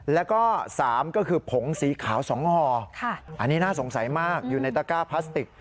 แล้วก็๓ก็คือผงสีขาว๒ห่ออันนี้น่าสงสัยมากอยู่ในตะก้าพลาสติก